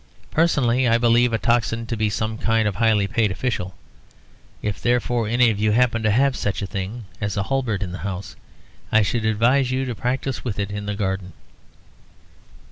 Personally, I believe a tocsin to be some kind of highly paid official. If, therefore, any of you happen to have such a thing as a halberd in the house, I should advise you to practise with it in the garden."